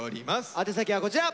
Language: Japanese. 宛先はこちら。